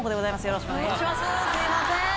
よろしくお願いします。